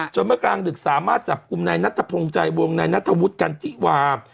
เมื่อกลางดึกสามารถจับกลุ่มนายนัทพงศ์ใจวงนายนัทธวุฒิกันธิวา